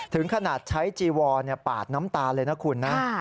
ถึงขนาดใช้จีวอนปาดน้ำตาเลยนะคุณนะ